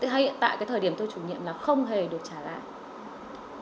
hay hiện tại cái thời điểm tôi chủ nhiệm là không hề được trả lại